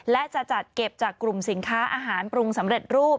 และจะจัดเก็บจากกลุ่มสินค้าอาหารปรุงสำเร็จรูป